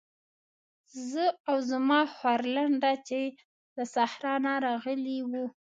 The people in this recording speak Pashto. زه او زما خورلنډه چې له صحرا نه راغلې وو.